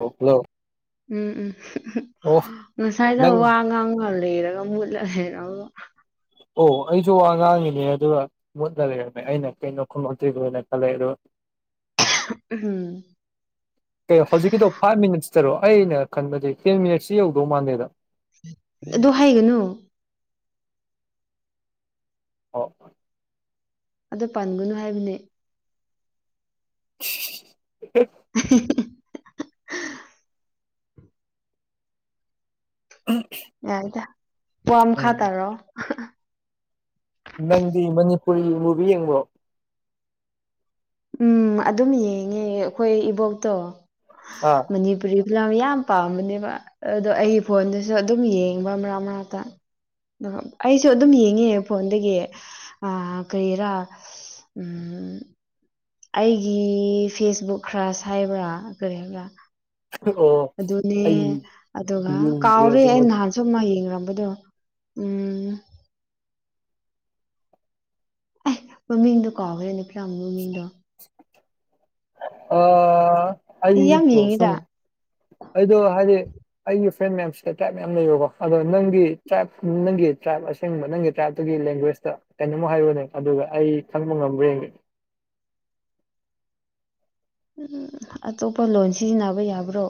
hello ꯎꯝ ꯎꯝ ꯑꯣ ꯉꯁꯥꯏꯗꯣ ꯅꯪ ꯋꯥ ꯉꯥꯡꯉ ꯂꯩꯔꯒ ꯃꯨꯠꯂ ꯂꯩꯔꯒ ꯑꯣ ꯑꯩꯁꯨ ꯋꯥ ꯉꯥꯡꯉꯤꯅꯦ ꯑꯗꯨꯒ ꯃꯨꯠꯂ ꯂꯩꯔꯝꯃꯦ ꯑꯩꯅ ꯀꯩꯅꯣ ꯈꯨꯝꯃꯛꯇ꯭ꯔꯤꯗꯣꯅ ꯈꯜꯂꯦ ꯑꯗꯨꯒ ꯎꯝ ꯀ ꯍꯧꯖꯤꯛꯀꯤꯗꯣ ꯐꯥꯏꯚ ꯃꯤꯅꯤꯠꯁꯇꯔꯣ ꯑꯩꯅ ꯈꯟꯕꯖꯦ ꯇꯦꯟ ꯃꯤꯅꯠꯁꯁꯤ ꯌꯧꯗꯧ ꯃꯥꯟꯗꯦꯗ ꯑꯗꯣ ꯍꯥꯏꯒꯅꯣ [unintelligible] ꯑꯗꯨ ꯄꯟꯒꯅꯨ ꯍꯥꯏꯕꯅꯦ [unintelligible] [unintelligible] [inaudible] ꯌꯥꯏꯗ ꯋꯥ ꯃꯈꯥ ꯎꯝ ꯇꯥꯔꯛꯑꯣ ꯅꯪꯗꯤ ꯃꯅꯤꯄꯨꯔꯤ ꯃꯨꯚꯤ ꯌꯦꯡꯕ꯭ꯔꯣ ꯎꯝ ꯑꯗꯨꯝ ꯌꯦꯡꯉꯦ ꯑꯩꯈꯣꯏ ꯏꯕꯣꯛꯇꯣ ꯑꯥ ꯃꯅꯤꯄꯨꯔꯤ ꯐꯤꯂꯝ ꯌꯥꯝ ꯄꯥꯝꯕꯅꯦꯕ ꯑꯗꯣ ꯑꯩꯒꯤ ꯐꯣꯟꯗꯁꯨ ꯑꯗꯨꯝ ꯌꯦꯡꯕ ꯃꯔꯛ ꯃꯔꯛꯇ ꯑꯗꯨꯒ ꯑꯩꯁꯨ ꯑꯗꯨꯝ ꯌꯦꯡꯉꯦ ꯐꯣꯟꯗꯒꯤ ꯑꯥ ꯀꯔꯤꯔꯥ ꯎꯝ ꯑꯩꯒꯤ ꯐꯦꯁꯕꯨꯛ ꯈ꯭ꯔꯁ ꯍꯥꯏꯕ꯭ꯔꯥ ꯀꯔꯤ ꯍꯥꯏꯕ꯭ꯔꯥ ꯑꯣ ꯑꯗꯨꯅꯦ ꯑꯩ ꯑꯗꯨꯒ ꯌꯦꯡꯗ꯭ꯔꯦ ꯀꯥꯎꯔꯦ ꯑꯩ ꯑꯗꯨꯃꯗꯤ ꯅꯍꯥꯟ ꯁꯨꯝꯃ ꯌꯦꯡꯔꯝꯕꯗꯣ ꯎꯝ ꯑꯦ ꯃꯃꯤꯡꯗꯣ ꯀꯥꯎꯈ꯭ꯔꯦꯅꯦ ꯐꯤꯂꯝ ꯃꯃꯤꯡꯗꯣ ꯑꯥ ꯑꯩ ꯌꯥꯝ ꯑꯩꯗꯣ ꯌꯦꯡꯉꯤꯗ ꯁꯨꯝ ꯑꯩꯗꯣ ꯍꯥꯏꯗꯤ ꯑꯩꯒꯤ ꯐ꯭ꯔꯦꯟ ꯃꯌꯥꯝꯁꯤꯗ ꯇ꯭ꯔꯥꯏꯕ ꯃꯌꯥꯝ ꯂꯩꯕꯀꯣ ꯑꯗꯣ ꯅꯪꯒꯤ ꯇ꯭ꯔꯥꯏꯕ ꯅꯪꯒꯤ ꯇ꯭ꯔꯥꯏꯞ ꯑꯁ ꯁꯦꯡꯕ ꯅꯪꯒꯤ ꯇ꯭ꯔꯥꯏꯞꯇꯨꯒꯤ ꯂꯦꯡꯒ꯭ꯋꯦꯖꯇ ꯀꯩꯅꯣꯝꯃ ꯍꯥꯏꯔꯛꯎꯅꯦ ꯑꯗꯨꯒ ꯑꯩ ꯈꯪꯕ ꯉꯝꯕ꯭ꯔꯥ ꯌꯦꯡꯒꯦ ꯑꯇꯣꯞꯄ ꯂꯣꯟ ꯁꯤꯖꯤꯟꯅꯕ ꯌꯥꯕ꯭ꯔꯣ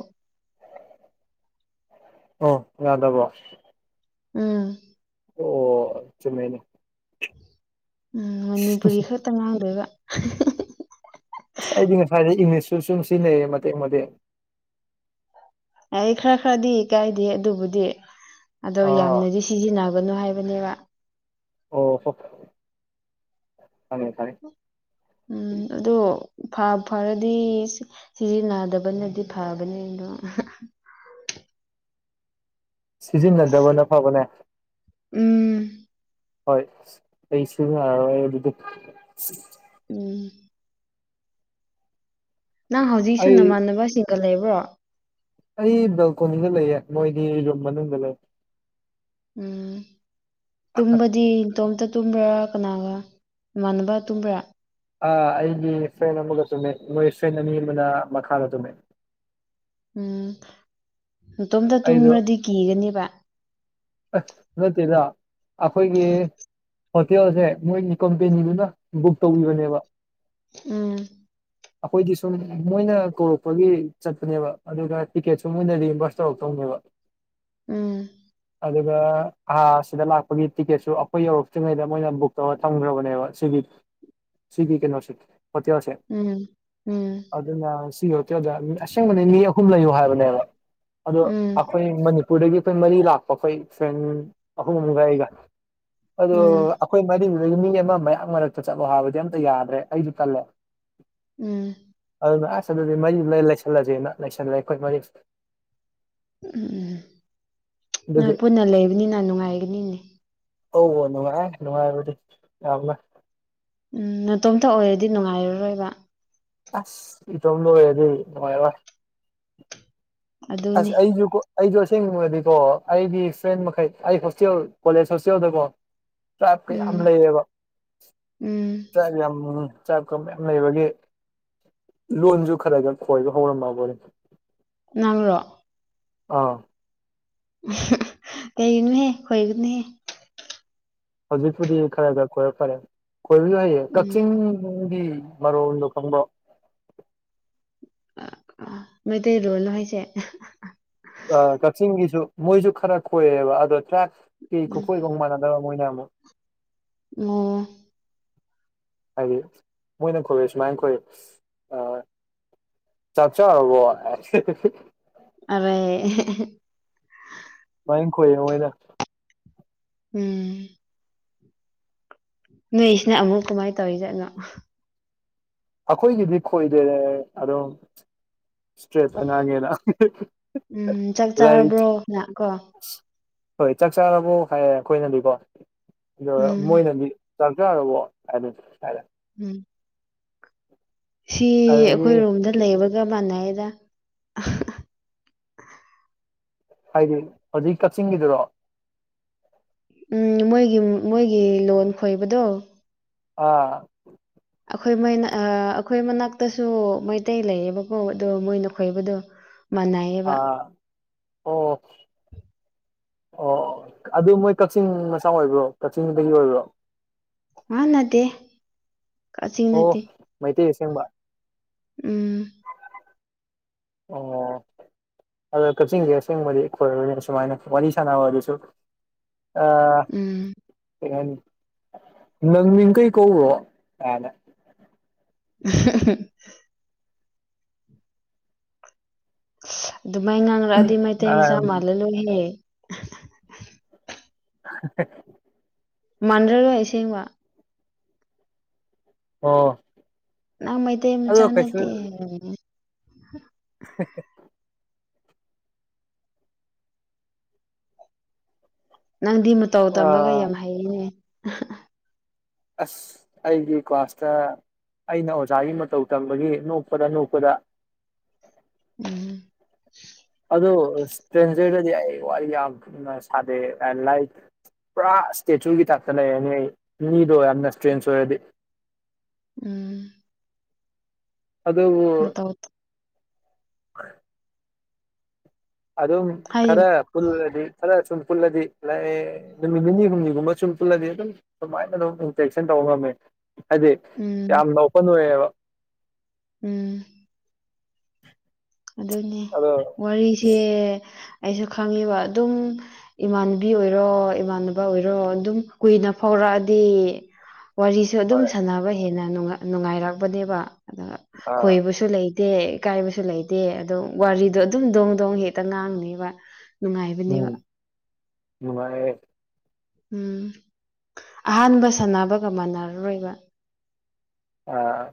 ꯑꯣ ꯌꯥꯗꯕꯣ ꯑ ꯑꯣ ꯆꯨꯝꯃꯦꯅꯦ ꯎꯝ ꯃꯅꯤꯄꯨꯔꯤ ꯈꯛꯇ ꯉꯥꯡꯗꯣꯏꯕ ꯑꯁ ꯑꯩꯗꯤ ꯉꯁꯥꯏꯗꯩ ꯏꯪꯂꯤꯁꯁꯨ ꯁꯨꯝ ꯁꯤꯟꯅꯩꯌꯦ ꯃꯇꯦꯛ ꯃꯇꯦꯛ ꯑꯥꯏ ꯈꯔ ꯈꯔꯗꯤ ꯀꯥꯏꯗꯦ ꯑꯗꯨꯕꯨꯗꯤ ꯑꯗꯣ ꯑꯥ ꯌꯥꯝꯅꯗꯤ ꯁꯤꯖꯤꯟꯅꯒꯅꯨ ꯍꯥꯏꯕꯅꯦꯕ ꯑꯣ ꯍꯣ ꯈꯪꯉꯦ ꯈꯪꯉꯦ ꯎꯝ ꯑꯗꯣ ꯐ ꯐꯔꯗꯤ ꯁꯤꯖꯤꯟꯅꯥꯗꯕꯅꯗꯤ ꯐꯕꯅꯦ ꯑꯗꯣ ꯁꯤꯖꯤꯟꯅꯗꯕꯅ ꯐꯥꯕꯅꯦ ꯎꯝ ꯍꯣꯏ ꯑꯩ ꯁꯤꯟꯅꯔꯔꯣꯏ ꯑꯗꯨꯗꯤ ꯎꯝ ꯅꯪ ꯍꯧꯖꯤꯛꯁꯨ ꯑꯩ ꯅꯃꯥꯟꯅꯕꯁꯤꯡꯒ ꯂꯩꯕ꯭ꯔꯣ ꯑꯩ ꯕꯦꯜꯀꯣꯅꯤꯗ ꯂꯩꯌꯦ ꯃꯣꯏꯗꯤ ꯔꯨꯝ ꯃꯅꯨꯡꯗ ꯂꯩ ꯎꯝ ꯇꯨꯝꯕꯗꯤ ꯇꯣꯝꯇ ꯇꯨꯝꯕ꯭ꯔꯥ ꯀꯅꯥꯒ ꯏꯃꯥꯟꯅꯕ ꯇꯨꯝꯕ꯭ꯔꯥ ꯑ ꯑꯩꯒꯤ ꯐ꯭ꯔꯦꯟ ꯑꯃꯒ ꯇꯨꯝꯃꯦ ꯃꯣꯏ ꯐ꯭ꯔꯦꯟ ꯑꯅꯤ ꯑꯃꯅ ꯃꯈꯥꯗ ꯇꯨꯝꯃꯦ ꯎꯝ ꯅꯇꯣꯝꯇ ꯑꯩꯗꯣ ꯇꯨꯝꯔꯗꯤ ꯀꯤꯒꯅꯦꯕ ꯑꯥꯏ ꯅꯠꯇꯦꯗ ꯑꯈꯣꯏꯒꯤ ꯍꯣꯇꯦꯜꯖꯦ ꯃꯣꯏꯒꯤ ꯀꯣꯝꯄꯦꯅꯤꯗꯨꯅ ꯕꯨꯛ ꯇꯧꯕꯤꯕꯅꯦꯕ ꯎꯝ ꯑꯈꯣꯏꯒꯤ ꯁꯨꯝ ꯃꯣꯏꯅ ꯀꯧꯔꯛꯄꯒꯤ ꯆꯠꯄꯅꯦꯕ ꯑꯗꯨꯒ ꯇꯤꯛꯀꯦꯠꯁꯨ ꯃꯣꯏꯅ ꯔꯤꯌꯦꯝꯚꯔꯁ ꯇꯧꯔꯛꯇꯧꯅꯦꯕ ꯎꯝ ꯑꯗꯨꯒ ꯑꯥ ꯁꯤꯗ ꯂꯥꯛꯄꯒꯤ ꯇꯤꯛꯀꯦꯠꯁꯨ ꯑꯈꯣꯏ ꯌꯧꯔꯛꯇ꯭ꯔꯤꯉꯩꯗ ꯃꯣꯏꯅ ꯕꯨꯛ ꯇꯧꯔ ꯊꯝꯒ꯭ꯔꯕꯅꯦꯕ ꯁꯤꯒꯤ ꯁꯒꯤ ꯀꯩꯅꯣꯁꯤ ꯍꯣꯇꯦꯜꯁꯦ ꯎꯝ ꯎꯝ ꯑꯗꯨꯅ ꯁꯤꯒꯤ ꯍꯣꯇꯦꯜꯗ ꯑꯁꯦꯡꯕꯅꯤ ꯃꯤ ꯑꯍꯨꯝ ꯂꯩꯌꯨ ꯍꯥꯏꯕꯅꯦꯕ ꯑꯗꯨ ꯎꯝ ꯑꯈꯣꯏ ꯃꯅꯤꯄꯨꯔꯗꯒꯤ ꯑꯈꯣꯏ ꯃꯔꯤ ꯂꯥꯛꯄ ꯑꯈꯣꯏ ꯐ꯭ꯔꯦꯟ ꯑꯍꯨꯝ ꯑꯝꯒ ꯑꯩꯒ ꯑꯗꯨ ꯎꯝ ꯑꯈꯣꯏ ꯃꯔꯤꯗꯨꯗꯒꯤ ꯃꯤ ꯑꯃ ꯃꯌꯥꯡ ꯃꯔꯛꯇ ꯆꯠꯂꯣ ꯍꯥꯏꯕꯗꯤ ꯑꯝꯇ ꯌꯥꯗ꯭ꯔꯦ ꯑꯩꯁꯨ ꯇꯜꯂꯦ [inaudible] ꯎꯝ ꯑꯗꯨꯅ ꯑꯁ ꯑꯗꯨꯗꯤ ꯃꯔꯤ ꯂꯩ ꯂꯩꯁꯜꯂꯖꯦꯅ ꯂꯩꯁꯜꯂꯦ ꯑꯈꯣꯏ ꯃꯔꯤ ꯎꯝ ꯎꯝ ꯅꯣꯏ ꯑꯗꯨꯒꯤ ꯄꯨꯟꯅ ꯂꯩꯕꯅꯤꯅ ꯅꯨꯡꯉꯥꯏꯒꯅꯤꯅꯦ ꯑꯧ ꯅꯨꯡꯉꯥꯏ ꯅꯨꯡꯉꯥꯏꯕꯗꯤ ꯌꯥꯝꯅ ꯎꯝ ꯅꯇꯣꯝꯇ ꯑꯣꯏꯔꯗꯤ ꯅꯨꯡꯉꯥꯏꯔꯔꯣꯏꯕ ꯑꯁ ꯏꯇꯣꯝꯗ ꯑꯣꯏꯔꯗꯤ ꯅꯨꯡꯉꯥꯏꯔꯔꯣꯏ ꯑꯗꯨꯅꯤ ꯑꯁ ꯑꯩꯖꯨꯀꯣ ꯑꯩꯗꯣ ꯑꯁꯦꯡꯕꯗꯤꯀꯣ ꯑꯩꯒꯤ ꯐ꯭ꯔꯦꯟ ꯃꯈꯩ ꯑꯩ ꯍꯣꯁꯇꯦꯜ ꯀꯣꯂꯦꯖ ꯍꯣꯁꯇꯦꯜꯗꯀꯣ ꯇ꯭ꯔꯥꯏꯞꯀ ꯌꯥꯝ ꯎꯝ ꯂꯩꯌꯦꯕ ꯎꯝ ꯇ꯭ꯔꯥꯏꯞ ꯌꯥꯝ ꯇ꯭ꯔꯥꯏꯞꯀ ꯃꯌꯥꯝ ꯂꯩꯕꯒꯤ ꯂꯣꯟꯖꯨ ꯈꯔꯒ ꯈꯣꯏꯕ ꯍꯧꯔꯝꯃꯕꯅꯦ ꯅꯪꯔꯣ ꯑꯥ ꯀꯩꯒꯅꯍꯦ ꯈꯣꯏꯒꯅꯤꯍꯦ ꯍꯧꯖꯤꯛꯄꯨꯗꯤ ꯈꯔ ꯈꯔ ꯀꯣꯏꯔꯛ ꯐꯔꯦ ꯀꯣꯏꯕꯁꯨ ꯍꯌꯦ ꯎꯝ ꯀꯛꯆꯤꯡ ꯅꯪꯒꯤ ꯃꯔꯣꯜꯗꯣ ꯈꯪꯕꯣ ꯑ ꯑ ꯃꯩꯇꯩꯔꯣꯟꯂꯣ ꯍꯥꯏꯁꯦ ꯑ ꯀꯛꯆꯤꯡꯒꯤꯁꯨ ꯃꯣꯏꯖꯨ ꯈꯔ ꯈꯣꯏꯑꯦꯕ ꯑꯗꯣ ꯇ꯭ꯔꯥꯞꯀꯤ ꯈꯨꯀꯣꯏꯒ ꯃꯨꯛ ꯃꯥꯟꯅ ꯅ ꯃꯣꯏꯅ ꯑꯃꯨꯛ [unintelligible] ꯍꯥꯏꯗꯤ ꯃꯣꯏꯅꯈꯣꯏ‌ ꯁꯨꯃꯥꯏꯅ ꯑꯩꯈꯣꯏ ꯑ ꯆꯥꯛ ꯆꯕꯣ [unintelligible] ꯑꯔꯦ ꯕꯥꯏ ꯅꯪ ꯈꯣꯏ ꯈꯧꯌꯦꯗ ꯎꯝ ꯅꯣꯏꯁꯤꯅ ꯑꯃꯨꯛ ꯀꯃꯥꯏ ꯇꯧꯔꯤꯖꯥꯠꯅꯣ ꯑꯈꯣꯏꯒꯤꯗꯤ ꯈꯣꯏꯗꯦ ꯑꯗꯨꯝ ꯁꯇ꯭ꯔꯦꯇ ꯉꯥꯡꯒꯦꯅ ꯎꯝ ꯆꯥꯛ ꯔꯥꯏꯠ ꯆꯥꯔꯕ꯭ꯔꯣ ꯅ ꯀꯣ ꯍꯣꯏ ꯆꯥꯛ ꯆꯥꯔꯕꯣ ꯍꯥꯏ ꯑꯈꯣꯏꯅꯗꯤꯀꯣ ꯑꯗꯨꯒ ꯎꯝ ꯃꯣꯏꯅꯗꯤ ꯆꯥꯛ ꯆꯔꯕꯣ ꯍꯥꯏ [unintelligible] ꯎꯝ ꯁꯤ ꯑꯩꯈꯣꯏ ꯑꯗꯒꯤ ꯔꯣꯝꯗ ꯂꯩꯕꯒ ꯃꯥꯟꯅꯩꯗ ꯍꯥꯏꯗꯤ ꯍꯧꯖꯤꯛ ꯀꯛꯆꯤꯡꯒꯤꯗꯨꯔꯣ ꯎꯝ ꯃꯣꯏꯒꯤ ꯃꯣꯏꯒꯤ ꯂꯣꯟ ꯈꯣꯏꯕꯗꯣ ꯑꯥ ꯑꯈꯣꯏ ꯃꯣꯏꯅ ꯑ ꯑꯈꯣꯏ ꯃꯅꯥꯛꯇꯁꯨ ꯃꯩꯇꯩ ꯂꯩꯌꯦꯕꯀꯣ ꯑꯗꯣ ꯃꯣꯏꯅ ꯈꯣꯏꯕꯗꯣ ꯃꯥꯟꯅꯩꯌꯦꯕ ꯑꯥ ꯑꯣ ꯑꯣ ꯑꯗꯨ ꯃꯣꯏ ꯀꯛꯆꯤꯡ ꯃꯆꯥ ꯑꯣꯏꯕ꯭ꯔꯣ ꯀꯛꯆꯤꯡꯗꯒꯤ ꯑꯣꯏꯕ꯭ꯔꯣ ꯉꯥ ꯅꯠꯇꯦ ꯀꯛꯆꯤꯡ ꯅꯠꯇꯦ ꯑꯣ ꯃꯩꯇꯩ ꯑꯁꯦꯡꯕ ꯎꯝ ꯑꯣ ꯑꯗꯣ ꯀꯛꯆꯤꯡꯒꯤ ꯑꯁꯦꯡꯕꯗꯤ ꯈꯣꯏꯔꯣꯏꯅꯦ ꯁꯨꯃꯥꯏꯅ ꯋꯥꯔꯤ ꯁꯥꯟꯅꯕ ꯑꯗꯨꯁꯨ ꯑ ꯎꯝ ꯀꯩ ꯍꯥꯏꯅꯤ ꯅꯪ ꯃꯤ ꯀꯩ ꯀꯧꯕꯔꯣ [unintelligible] ꯑꯗꯨ ꯃꯥꯏ ꯉꯥꯡꯂꯑꯗꯤ ꯃꯩꯇꯩ ꯃꯁꯥ ꯑꯝ ꯃꯥꯜꯂ ꯂꯣꯏꯍꯦ [unintelligible] ꯃꯥꯟꯗꯔꯔꯣꯏ ꯑꯁꯦꯡꯕ ꯑꯣ ꯅꯪ ꯃꯩꯇꯩ ꯃꯆꯥ ꯑꯗꯣ ꯀꯩꯁꯨ ꯅꯠꯇꯦ ꯍꯥꯏꯒꯅꯤ [unintelligible] ꯅꯪꯗꯤ ꯃꯇꯧ ꯇꯝꯕꯒ ꯑꯥ ꯌꯥꯝ ꯍꯩꯅꯦ ꯑꯁ ꯑꯩꯒꯤ ꯀ꯭ꯂꯥꯁꯇ ꯑꯩꯅ ꯑꯣꯖꯥꯒꯤ ꯃꯇꯧ ꯇꯝꯕꯒꯤ ꯅꯣꯛꯄꯗ ꯅꯣꯛꯄꯗ ꯎꯝ ꯑꯗꯣ ꯏꯁꯇ꯭ꯔꯦꯟꯖꯔꯗꯗꯤ ꯑꯩ ꯋꯥꯔꯤ ꯌꯥꯝꯅ ꯁꯥꯗꯦ ꯑꯥꯏ ꯂꯥꯏ ꯄꯨꯔꯥ ꯏꯁꯇꯦꯆꯨꯒꯤ ꯇꯥꯏꯞꯇ ꯂꯩꯔꯅꯤ ꯃꯤꯗꯣ ꯌꯥꯝꯅ ꯏꯁꯇ꯭ꯔꯦꯟꯁ ꯑꯣꯏꯔꯗꯤ ꯎꯝ ꯑꯗꯨꯕꯨ ꯃꯇꯧ ꯑꯗꯨꯝ ꯍꯥꯏꯌꯨ ꯈꯔ ꯄꯨꯜꯂꯗꯤ ꯈꯔ ꯁꯨꯝ ꯄꯨꯜꯂꯗꯤ ꯂꯥꯛꯑꯦ ꯅꯨꯃꯤꯠ ꯅꯤꯅꯤ ꯍꯨꯝꯅꯤꯒꯨꯝꯕ ꯁꯨꯝ ꯄꯨꯜꯂꯗꯤ ꯑꯗꯨꯝ ꯁꯨꯃꯥꯏꯅ ꯑꯗꯨꯝ ꯏꯟꯇꯦꯛꯁꯟ ꯇꯧꯕ ꯉꯝꯃꯦ ꯍꯥꯏꯗꯤ ꯎꯝ ꯌꯥꯝꯅ ꯑꯣꯛꯄ ꯎꯔꯦꯕ ꯎꯝ ꯑꯗꯨꯅꯤ ꯑꯗꯣ ꯋꯥꯔꯤꯁꯦ ꯑꯩꯁꯨ ꯈꯪꯉꯤꯕ ꯑꯗꯨꯝ ꯏꯃꯥꯟꯅꯕꯤ ꯑꯣꯏꯔꯣ ꯏꯃꯥꯟꯅꯕ ꯑꯣꯏꯔꯣ ꯑꯗꯨꯝ ꯀꯨꯏꯅ ꯐꯥꯎꯔꯛꯑꯗꯤ ꯋꯥꯔꯤꯁꯨ ꯑꯗꯨꯝ ꯍꯣꯏ ꯁꯥꯟꯅꯕ ꯍꯦꯟꯅ ꯅꯨꯉꯥꯏ ꯅꯨꯡꯉꯥꯏꯔꯛꯄꯅꯦꯕ ꯑꯗꯨꯒ ꯑꯥ ꯈꯣꯏꯕꯁꯨ ꯂꯩ ꯗꯦ ꯏꯀꯥꯏꯕꯁꯨ ꯂꯩꯇꯦ ꯑꯗꯣ ꯋꯥꯔꯤꯗꯣ ꯑꯗꯨꯝ ꯗꯣꯡ ꯗꯣꯡ ꯍꯦꯛꯇ ꯉꯥꯡꯅꯦꯕ ꯅꯨꯡꯉꯥꯏꯕꯅꯦꯕ ꯅꯨꯡꯥꯏꯌꯦ ꯎꯝ ꯑꯍꯥꯟꯕ ꯁꯥꯟꯅꯕꯒ ꯃꯥꯟꯅꯔꯔꯣꯏꯕ ꯑꯥ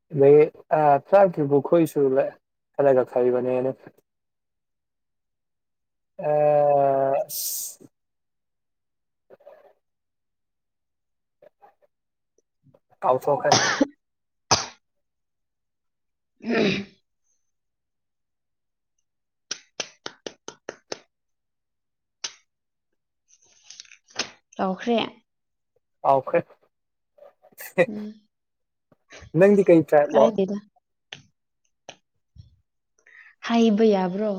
[unintelligible] ꯑꯥ ꯑꯁ ꯀꯥꯎꯊꯣꯛꯈ꯭ꯔꯦ ꯎꯝ ꯂꯥꯎꯈ꯭ꯔꯦ ꯑꯥꯎꯈ꯭ꯔꯦ [unintelligible] ꯎꯝ ꯅꯪꯗꯤ ꯀꯩ ꯇ꯭ꯔꯥꯞꯂꯣ ꯀꯥꯏꯗꯦꯗ ꯍꯥꯏꯕ ꯌꯥꯕ꯭ꯔꯣ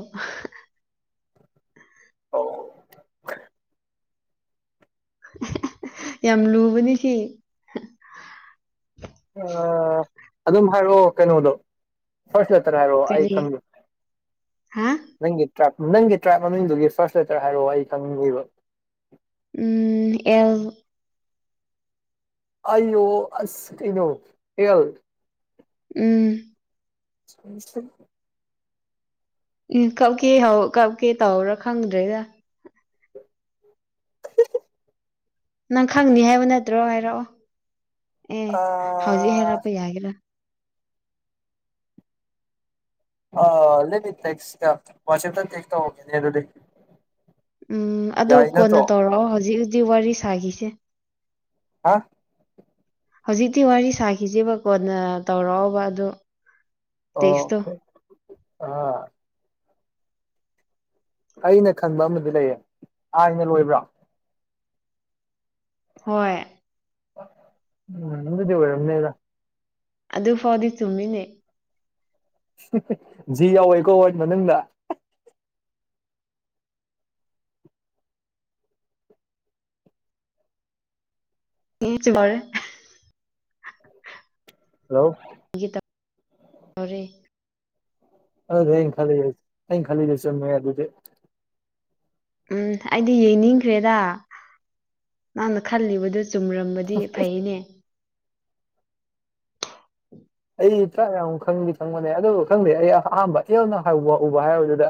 [unintelligible] ꯌꯥꯝ ꯂꯨꯕꯅꯤ ꯁꯤ [unintelligible] ꯑꯗꯨꯝ ꯍꯥꯏꯔꯛꯑꯣ ꯀꯩꯅꯣꯗꯣ ꯐꯥꯔꯁꯇ [unintelligible] ꯍꯥꯏꯔꯣ ꯑꯩ ꯀꯔꯤ ꯈꯪꯗꯦ ꯍꯥ ꯅꯪꯒꯤ ꯇ꯭ꯔꯥꯏꯞ ꯅꯪꯒꯤ ꯇ꯭ꯔꯥꯏꯞ ꯃꯃꯤꯡꯗꯨꯒꯤ ꯐꯥꯔꯁ ꯂꯦꯇꯔ ꯍꯥꯏꯔꯛꯑꯣ ꯑꯩ ꯈꯪꯅꯤꯡꯉꯤꯕ ꯎꯝ ꯑꯦꯜ ꯑꯩꯑꯣ ꯑꯁ ꯀꯩꯅꯣ ꯑꯦꯜ ꯎꯝ [unintelligible] ꯎꯝ ꯀꯞꯀꯦ ꯍꯧ ꯀꯞꯀꯦ ꯇꯧꯔꯥ ꯈꯪꯗ꯭ꯔꯦꯗ ꯅꯪ ꯈꯪꯅꯤ ꯍꯥꯏꯕ ꯅꯠꯇ꯭ꯔꯣ ꯍꯥꯏꯔꯛꯑꯣ ꯑꯦ ꯍꯧꯖꯤꯛ ꯑꯥ ꯍꯥꯏꯔꯛꯄ ꯌꯥꯒꯦꯔꯥ ꯑ ꯂꯩꯠ ꯃꯤ [unintelligible] ꯋꯥꯠꯆꯎꯞꯇ ꯇꯦ꯭ꯁꯠ ꯇꯧꯔꯛꯀꯦꯅꯦ ꯑꯗꯨꯗꯤ ꯎꯝ ꯑꯗꯣ ꯌꯥꯏ ꯀꯣꯟꯅ ꯅꯠꯇ꯭ꯔꯣ ꯇꯧꯔꯛꯑꯣ ꯍꯧꯖꯤꯛ ꯍꯧꯖꯤꯛ ꯋꯥꯔꯤ ꯁꯥꯈꯤꯁꯦ ꯍꯥ ꯍꯧꯖꯤꯛꯇꯤ ꯋꯥꯔꯤ ꯁꯥꯈꯤꯁꯦꯕ ꯀꯣꯟꯅ ꯇꯧꯔꯛꯑꯣꯕ ꯑꯗꯨ ꯑꯣ ꯀꯦ ꯑ ꯑꯩꯅ ꯈꯟꯕ ꯑꯃꯗꯤ ꯂꯩꯌꯦ ꯑꯥꯏꯅ ꯂꯣꯏꯕ꯭ꯔꯥ ꯍꯣꯏ ꯎꯝ ꯑꯗꯨꯗꯤ ꯑꯣꯏꯔꯝꯅꯤꯗ ꯑꯗꯨꯐꯥꯎꯗꯤ ꯆꯨꯝꯃꯤꯅꯦ ꯍꯤ ꯍꯤꯖꯤ ꯌꯥꯎꯋꯦꯀꯣ ꯋꯣꯔ꯭ꯗ ꯃꯅꯨꯡꯗ ꯌꯦꯆꯔꯦ [unintelligible] ꯍꯜꯂꯣ [inaudible] ꯑꯗꯨꯗꯤ ꯑꯩꯅ ꯈꯜꯂꯤꯁꯦ ꯑꯩꯅ ꯈꯜꯂꯤꯁꯦ ꯆꯨꯝꯃꯦ ꯑꯗꯨꯗꯤ ꯎꯝ ꯑꯩꯗꯤ ꯌꯦꯡꯅꯤꯡꯈ꯭ꯔꯦꯗ ꯅꯪꯅ ꯈꯜꯂꯤꯕꯗꯨ ꯆꯨꯝꯔꯝ ꯑꯗꯨꯗꯤ ꯐꯩꯅꯦ ꯑꯩ ꯇ꯭ꯔꯥꯞ ꯌꯥꯝ ꯈꯪꯗꯤ ꯈꯪꯕꯅꯦ ꯑꯗꯨꯕꯨ ꯈꯪꯗꯦ ꯑꯩ ꯑꯍꯥꯟꯕ ꯑꯜꯏ ꯍꯥꯎꯕ ꯍꯕ ꯋꯥ ꯑꯣꯏꯕꯗꯨꯗ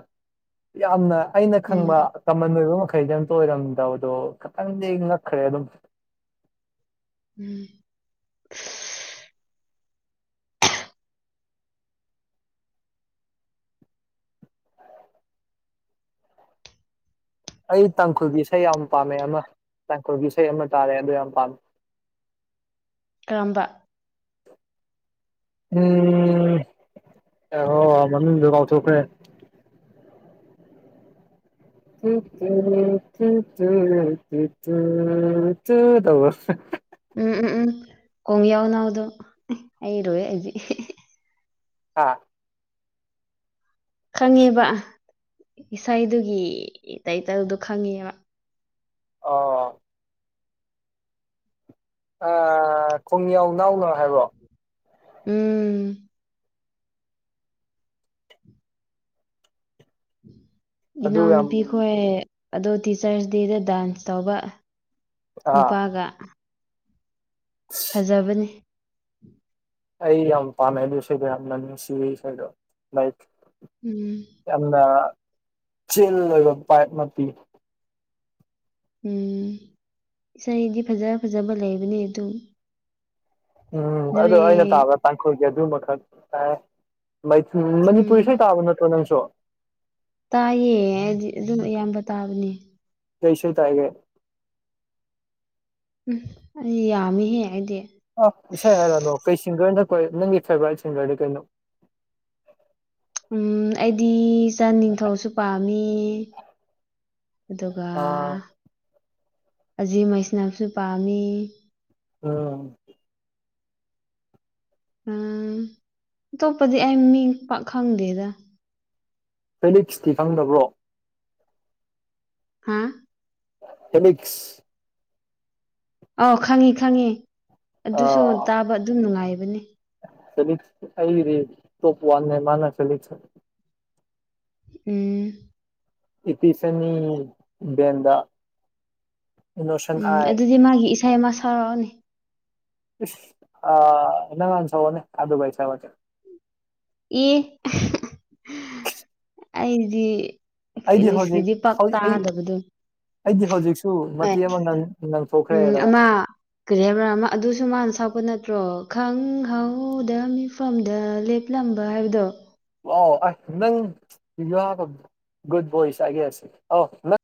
ꯌꯥꯝꯅ ꯑꯩꯅ ꯎꯝ ꯈꯪꯕ ꯀꯃꯟ ꯑꯣꯏꯕ ꯃꯈꯩꯗꯤ ꯑꯝꯇ ꯑꯣꯏꯔꯝꯗꯕꯗꯣ ꯈꯤꯇꯪꯗꯤ ꯉꯛꯈ꯭ꯔꯦ ꯑꯗꯨꯝ ꯎꯝ ꯑꯩ ꯇꯥꯡꯈꯨꯜꯒꯤ ꯏꯁꯩ ꯌꯥꯝ ꯄꯥꯝꯃꯦ ꯑꯃ ꯇꯥꯡꯈꯨꯜꯒꯤ ꯏꯁꯩ ꯑꯃ ꯇꯥꯔꯦ ꯑꯗꯨ ꯌꯥꯝ ꯄꯥꯝꯃꯦ [inaudible] ꯀꯔꯝꯕ [inaudible] ꯎꯝ ꯑꯦ ꯍꯣꯏ ꯃꯅꯨꯡꯗꯂꯥꯎꯊꯣꯛꯈ꯭ꯔꯦ [unintelligible] ꯎꯝ ꯎꯝ ꯎꯝ ꯀꯣꯡ ꯌꯥꯎ ꯅꯥꯎꯗꯣ ꯍꯩꯔꯣꯏꯑꯦ ꯑꯩꯗꯤ ꯑꯥ ꯈꯪꯉꯦꯕ ꯏꯁꯩꯗꯨꯒꯤ ꯇꯥꯏꯇꯜꯗꯣ ꯈꯪꯉꯦꯕ ꯑꯣ ꯑ ꯈꯣꯡꯌꯥꯎꯅꯥꯎꯅ ꯍꯥꯏꯕ꯭ꯔꯣ ꯎꯝ ꯎꯝ ꯑꯗꯨ ꯌꯥꯝ ꯏꯅꯥꯎꯅꯨꯄꯤꯈꯣꯏ ꯑꯗꯣ ꯇꯤꯆꯔꯁ ꯗꯦꯗ ꯗꯥꯟꯁ ꯇꯧꯕ ꯑꯥ ꯅꯨꯄꯥꯒ ꯐꯖꯕꯅꯤ ꯑꯩ ꯌꯥꯝ ꯄꯥꯝꯃꯦ ꯑꯗꯨ ꯏꯁꯩꯗꯣ ꯌꯥꯝ ꯅ ꯅꯨꯡꯁꯤ ꯏꯁꯩꯗꯣ ꯂꯥꯏꯛ ꯎꯝ ꯌꯥꯝꯅ ꯆꯤꯟ ꯑꯣꯏꯕ ꯄꯥꯏꯞ ꯑꯃ ꯄꯤ ꯎꯝ ꯏꯁꯩꯗꯤ ꯐꯖ ꯐꯖꯕ ꯂꯩꯕꯅꯦ ꯑꯗꯨꯝ ꯎꯝ ꯑꯗꯣ ꯅꯣꯏ ꯑꯩꯅ ꯇꯥꯕꯗ ꯇꯥꯡꯈꯨꯜꯒꯤ ꯑꯗꯨꯃꯈꯛ ꯇꯥꯏ ꯎꯝ ꯃꯅꯤꯄꯨꯔꯤ ꯏꯁꯩ ꯇꯥꯕ ꯅꯠꯇ꯭ꯔꯣ ꯅꯪꯁꯨ ꯇꯥꯏꯌꯦ ꯍꯥꯏꯗꯤ ꯑꯗꯨꯝ ꯑꯌꯥꯝꯕ ꯇꯥꯕꯅꯦ ꯀꯩ ꯏꯁꯩ ꯇꯥꯔꯤꯒꯦ ꯎꯝ ꯑꯩ ꯌꯥꯝꯃꯤꯍꯦ ꯑꯩꯗꯤ ꯑ ꯏꯁꯩ ꯍꯥꯏꯔꯅꯣ ꯀꯩ ꯁꯤꯡꯒꯔ ꯅꯈꯣꯏ ꯅꯪꯒꯤ ꯐꯦꯕꯣꯔꯥꯏꯠ ꯁꯤꯡꯒꯔꯗꯤ ꯀꯩꯅꯣ ꯎꯝ ꯑꯩꯗꯤ ꯆꯟ ꯅꯤꯡꯊꯧꯁꯨ ꯄꯥꯝꯃꯤ ꯑꯗꯨꯒ ꯑ ꯑꯖꯤ ꯃꯩꯁꯅꯥꯝꯁꯨ ꯄꯥꯝꯃꯤ ꯑꯣ ꯎꯝ ꯑꯇꯣꯞꯄꯗꯤ ꯑꯩ ꯃꯤ ꯄꯥꯛ ꯈꯪꯗꯦꯗ ꯐꯦꯂꯤꯛꯁꯇꯤ ꯈꯪꯗꯕ꯭ꯔꯣ ꯍꯥ ꯐꯦꯂꯤꯛꯁ ꯑꯥꯎ ꯈꯪꯉꯤ ꯈꯪꯉꯤ ꯑꯗꯨꯁꯨ ꯇꯥꯕ ꯑꯗꯨꯝ ꯅꯨꯡꯉꯥꯏꯕꯅꯤ ꯆꯂꯤ ꯑꯨꯂꯤ ꯇꯣꯄꯥ ꯋꯥꯠꯅꯦ ꯃꯥꯅ ꯆꯂꯤꯁꯨ ꯎꯝ ꯏꯄꯤꯁꯟꯅꯤ ꯚꯦꯟꯗꯥ ꯎꯝ ꯑꯗꯨꯗꯤ ꯃꯥꯒꯤ ꯏꯁꯩ ꯑꯃ ꯁꯥꯔꯛꯑꯣꯅꯦ ꯏꯁ ꯑꯥ ꯅꯪ ꯍꯥꯟ ꯁꯛꯑꯣꯅꯦ ꯑꯗꯨꯒꯥ ꯑꯩ ꯁꯛꯂꯛꯀꯦ ꯏ ꯑꯩꯗꯤ ꯑꯩꯗꯤ ꯍꯧꯖꯤꯛ ꯐꯤꯂꯤꯁꯀꯤꯗꯤ ꯄꯥꯛ ꯍꯧꯖꯤꯛ ꯑꯩ ꯇꯥꯗꯕꯗꯣ ꯑꯩꯗꯤ ꯍꯧꯖꯤꯛꯁꯨ ꯑꯦ ꯃꯇꯦꯛ ꯑꯃ ꯉꯪ ꯎꯝ ꯉꯪꯊꯣꯛꯈ꯭ꯔꯦꯗꯅꯥ ꯑꯃ ꯀꯔꯤ ꯍꯥꯏꯕꯔꯥ ꯑꯃ ꯑꯗꯨꯁꯨ ꯃꯥꯅ ꯁꯛꯄ ꯅꯠꯇ꯭ꯔꯣ ꯈꯪꯍꯧꯗ ꯃꯤꯐꯝꯗ ꯂꯦꯝ ꯂꯝꯕ ꯍꯥꯏꯕꯗꯣ ꯋꯥꯎ ꯑꯥꯏ ꯅꯪ [unintelligible] ꯒꯨꯗ ꯕꯣꯏ ꯆꯒꯦꯁꯤ ꯑꯥꯎ ꯅꯪ